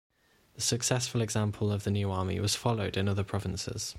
The successful example of the new army was followed in other provinces.